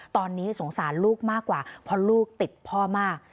ตอนนี้สงสารลูกมากกว่าเพราะลูกติดพ่อมาก